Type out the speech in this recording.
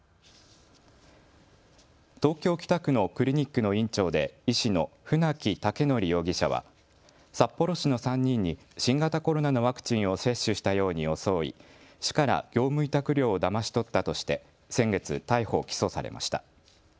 東京北区のクリニックの院長で医師の船木威徳容疑者は札幌市の３人に新型コロナのワクチンを接種したように装い市から業務委託料をだまし取ったとして先月、逮捕・起訴されました。